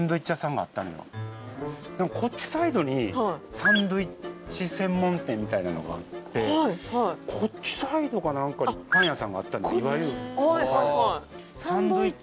こっちサイドにサンドイッチ専門店みたいなのがあってこっちサイドか何かにパン屋さんがあった。